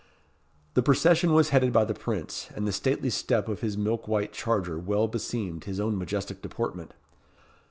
The procession was headed by the Prince, and the stately step of his milk white charger well beseemed his own majestic deportment.